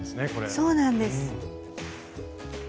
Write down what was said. そうなんです。